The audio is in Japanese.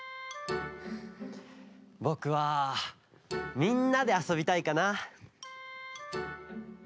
ぼくはみんなであそびたいかな。